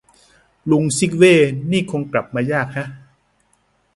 ลุงซิคเว่นี่คงกลับมายากฮะ